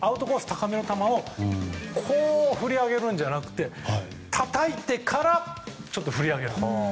高めの球を振り上げるんじゃなくてたたいてからちょっと振り上げる。